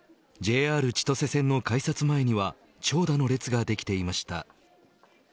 ＪＲ千歳線の改札前には長蛇の列ができていました。